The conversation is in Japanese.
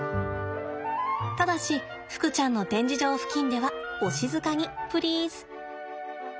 ただしふくちゃんの展示場付近ではお静かにプリーズ。